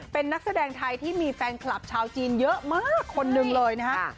เป็นนักแสดงไทยที่มีแฟนคลับชาวจีนเยอะมากคนหนึ่งเลยนะฮะ